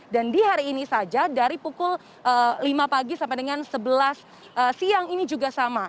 dan di hari ini saja dari pukul lima pagi sampai dengan sebelas siang ini juga sama